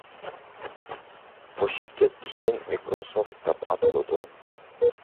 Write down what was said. بۇ شىركەت كېيىن مىكروسوفت دەپ ئاتىلىدۇ.